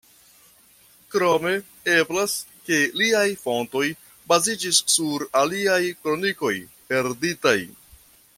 Krome, eblas ke liaj fontoj baziĝis sur aliaj kronikoj perditaj.